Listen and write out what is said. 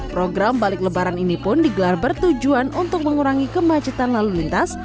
program balik lebaran ini pun digelar bertujuan untuk mengurangi kemacetan lalu lintas